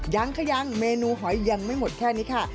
ยังค่ะยังเมนูหอยยังไม่หมดแค่นี้ค่ะ